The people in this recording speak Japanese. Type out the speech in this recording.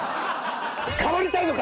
「変わりたいのか？